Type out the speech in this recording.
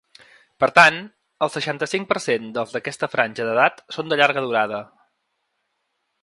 Per tant, el seixanta-cinc per cent dels d’aquesta franja d’edat són de llarga durada.